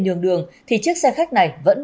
nhường đường thì chiếc xe khách này vẫn